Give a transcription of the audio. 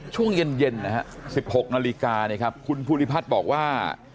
ช่วงเย็นนะฮะ๑๖นาฬิกานะครับคุณภูริพัฒน์บอกว่า